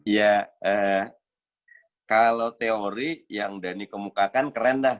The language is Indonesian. ya kalau teori yang dhani kemukakan keren dah